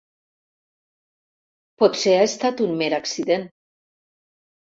Potser ha estat un mer accident.